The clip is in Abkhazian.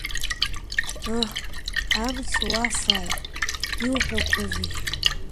Ых, амца уафааит, иуҳәақәозеишь?